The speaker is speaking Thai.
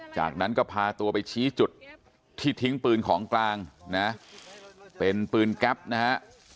จากนั้นก็พาตัวไปชี้จุดที่ทิ้งปืนของกลางนะเป็นปืนแก๊ปนะฮะ